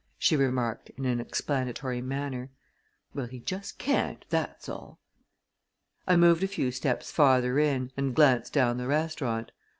she remarked in an explanatory manner. "Well, he just can't that's all!" I moved a few steps farther in and glanced down the restaurant.